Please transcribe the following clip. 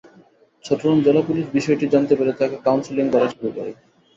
চট্টগ্রাম জেলা পুলিশ বিষয়টি জানতে পেরে তাঁকে কাউন্সেলিং করা শুরু করে।